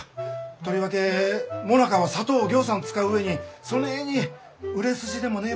とりわけもなかは砂糖をぎょうさん使う上にそねえに売れ筋でもねえ